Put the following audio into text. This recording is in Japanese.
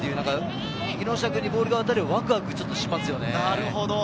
木下君にボールが渡ればちょっとワクワクしますよね。